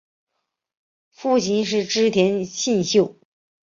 父亲是织田信秀。